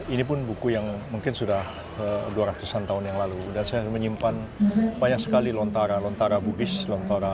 ini pun buku yang mungkin sudah dua ratus an tahun yang lalu dan saya menyimpan banyak sekali lontara lontara bugis lontara